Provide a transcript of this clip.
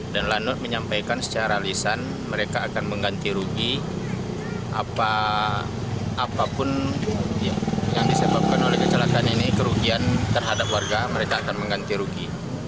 dan lanut menyampaikan secara alisan mereka akan mengganti rugi apapun yang disebabkan oleh kecelakaan ini kerugian terhadap warga mereka akan mengganti rugi